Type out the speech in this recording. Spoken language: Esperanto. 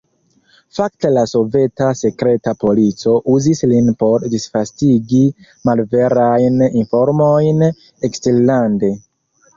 Fakte la soveta sekreta polico uzis lin por disvastigi malverajn informojn eksterlande.